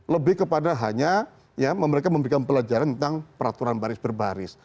lebih kepada hanya ya mereka memberikan pelajaran tentang peraturan baris berbaris